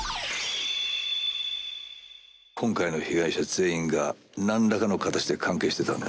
今回の被害者全員が何らかの形で関係していたんだ。